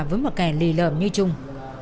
với một kẻ lì lợm như trung